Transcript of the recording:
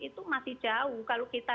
itu masih jauh kalau kita